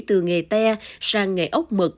từ nghề te sang nghề ốc mực